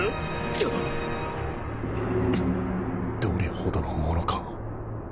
どれほどのものか